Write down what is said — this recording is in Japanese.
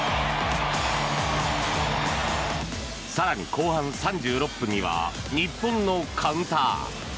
更に後半３６分には日本のカウンター。